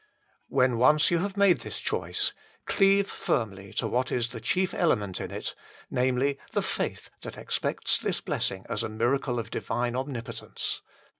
When once you have made this choice, cleave firmly to what is the chief element in it namely, the faith that expects this blessing as a miracle of divine Omnipotence.